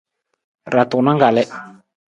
Ra tunang kalii.